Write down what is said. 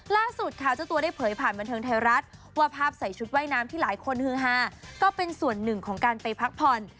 ล่าสุดค่ะเจ้าตัวได้เผยผ่านบันเทิงไทยรัฐว่าภาพใส่ชุดว่ายน้ำที่หลายคนฮือฮาก็เป็นส่วนหนึ่งของการไปพักผ่อน